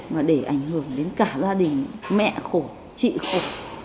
mà để ảnh hưởng đến cả gia đình mẹ khổ chị khổ